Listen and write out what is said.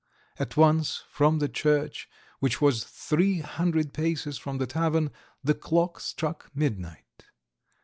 At once from the church, which was three hundred paces from the tavern, the clock struck midnight.